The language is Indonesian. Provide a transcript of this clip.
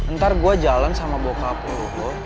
ntar gue jalan sama bokap lo